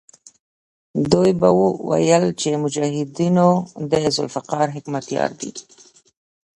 دوی به ویل چې مجاهدونو د ذوالفقار حکمتیار دی.